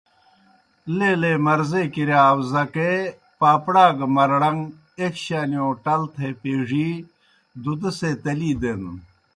لیلے مرضے کِرِیا آؤزکے، پاپڑا گہ مرڑن٘گ ایْک شانِیؤ ٹل تھےپیڙِی دُدہ سے تلی دینَن۔